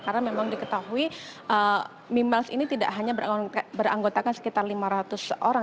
karena memang diketahui mimels ini tidak hanya beranggotakan sekitar lima ratus orang